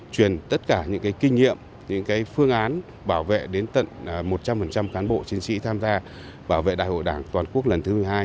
truyền tất cả những kinh nghiệm những phương án bảo vệ đến tận một trăm linh cán bộ chiến sĩ tham gia bảo vệ đại hội đảng toàn quốc lần thứ một mươi hai